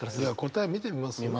答え見てみます？